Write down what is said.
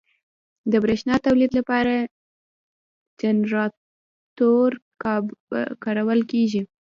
د برېښنا تولید لپاره جنراتور کارول کېږي.